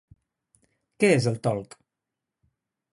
Què és el Tolc?